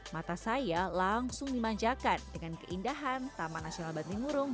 mata saya langsung dimanjakan dengan keindahan taman nasional bantimurung